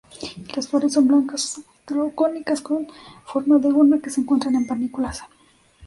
Las flores son blancas, cónicas con forma de urna, que se encuentran en panículas.